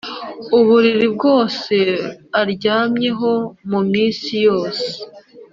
Uburiri bwose aryamyeho mu minsi yose